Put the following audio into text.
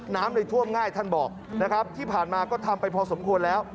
น้ำเลยท่วมง่ายท่านบอกนะครับที่ผ่านมาก็ทำไปพอสมควรแล้ว